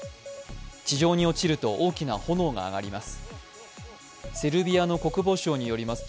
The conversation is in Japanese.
地上に落ちると大きな炎が上がります。